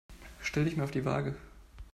Stell dich mal auf die Waage.